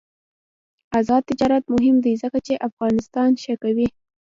آزاد تجارت مهم دی ځکه چې افغانستان ښه کوي.